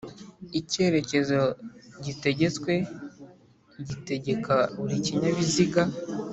Icyerekezo gitegetswe gitegeka buri kinyabiziga